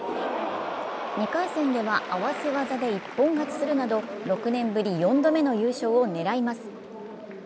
２回戦では合わせ技で一本勝ちするなど６年ぶり４度目の優勝を狙います。